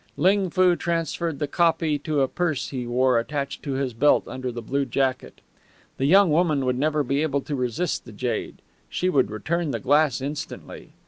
Ling Foo transferred the copy to a purse he wore attached to his belt under the blue jacket. The young woman would never be able to resist the jade. She would return the glass instantly.